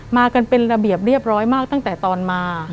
มากันเป็นระเบียบเรียบร้อยมากตั้งแต่ตอนมา